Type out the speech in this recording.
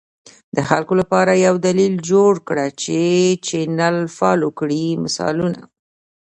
د خلکو لپاره یو دلیل جوړ کړه چې چینل فالو کړي، مثالونه: